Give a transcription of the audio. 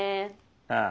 ああ。